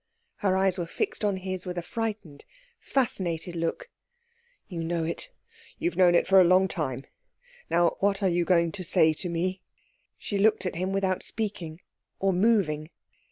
Her eyes were fixed on his with a frightened, fascinated look. "You know it. You have known it a long time. Now what are you going to say to me?" She looked at him without speaking or moving.